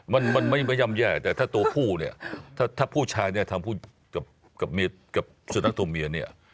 มันมันไม่ย่ำแย่แต่ถ้าตัวผู้เนี่ยถ้าผู้ชายเนี่ยทำกับสุนัขตัวเมียเนี่ย